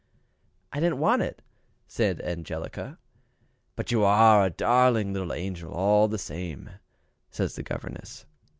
"I didn't want it," said Angelica. "But you are a darling little angel all the same," says the governess.